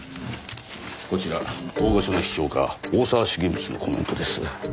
こちら大御所の批評家大沢重光のコメントです。